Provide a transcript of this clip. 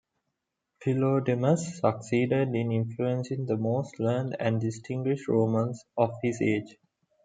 Philodemus succeeded in influencing the most learned and distinguished Romans of his age.